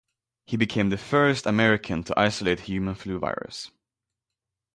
He became the first American to isolate human flu virus.